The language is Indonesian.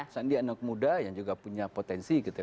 sandi anak muda yang juga punya potensi gitu ya